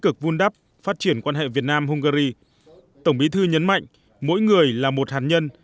cực vun đắp phát triển quan hệ việt nam hungary tổng bí thư nhấn mạnh mỗi người là một hạt nhân